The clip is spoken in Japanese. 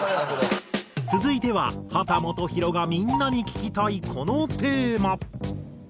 続いては秦基博がみんなに聞きたいこのテーマ。